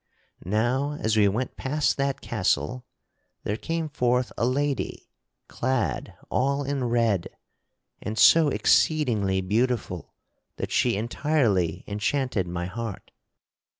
Now as we went past that castle there came forth a lady clad all in red and so exceedingly beautiful that she entirely enchanted my heart.